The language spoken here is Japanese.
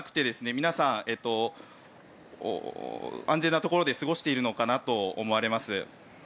皆さん、安全なところで過ごしているのかなと思われます。